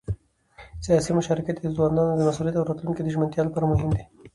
سیاسي مشارکت د ځوانانو د مسؤلیت او راتلونکي د ژمنتیا لپاره مهم دی